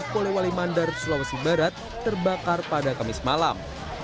polewali mandar sulawesi barat terbakar pada kamis malam